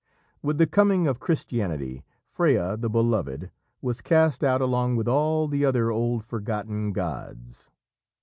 With the coming of Christianity, Freya, the Beloved, was cast out along with all the other old forgotten gods.